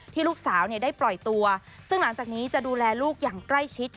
ลูกสาวได้ปล่อยตัวซึ่งหลังจากนี้จะดูแลลูกอย่างใกล้ชิด